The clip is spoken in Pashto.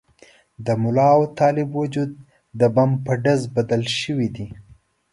د ملا او طالب وجود د بم په ډز بدل شوي دي.